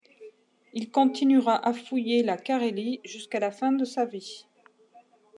Il continuera à fouiller la Carélie jusqu'à la fin de sa vie.